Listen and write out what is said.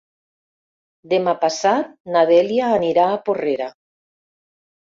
Demà passat na Dèlia anirà a Porrera.